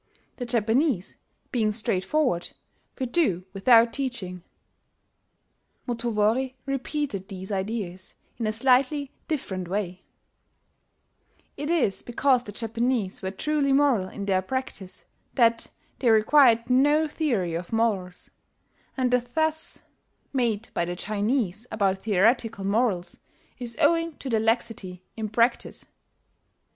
The Japanese, being straightforward, could do without teaching." Motowori repeated these ideas in a slightly different way: "It is because the Japanese were truly moral in their practice, that, they required no theory of morals; and the fuss made by the Chinese about theoretical morals is owing to their laxity, in practice....